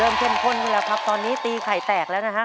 เข้มข้นขึ้นแล้วครับตอนนี้ตีไข่แตกแล้วนะฮะ